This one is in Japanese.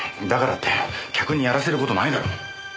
だからって客にやらせる事ないだろう。